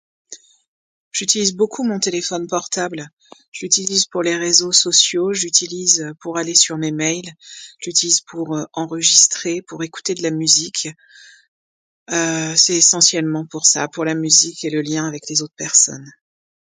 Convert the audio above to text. J'utilise beaucoup mon téléphone portable. J'utilise pour les réseaux sociaux, j'utilise, euh, pour aller sur mes mails, j'utilise pour enregistrer, pour écouter de la musique. Euh... c'est essentiellement pour ça, pour la musique et le lien avec les autres personnes.